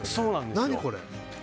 何、これ。